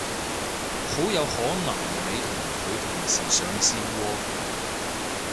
好有可能你同佢同時上線喎